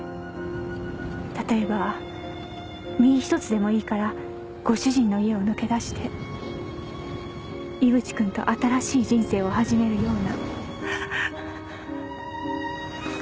例えば身ひとつでもいいからご主人の家を抜け出して井口君と新しい人生を始めるような。